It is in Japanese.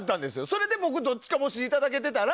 それで僕、どっちかもしいただけていたら。